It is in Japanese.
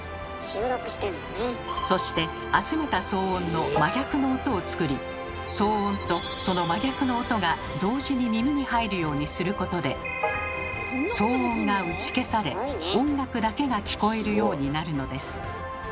そして集めた騒音の「真逆の音」を作り騒音とその真逆の音が同時に耳に入るようにすることで騒音が打ち消され音楽だけが聞こえるようになるのです。